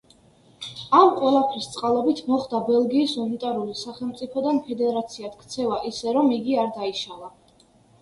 ამ ყველაფრის წყალობით მოხდა ბელგიის უნიტარული სახელმწიფოდან ფედერაციად ქცევა, ისე რომ იგი არ დაიშალა.